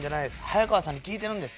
「早川さんに聞いてるんです！」。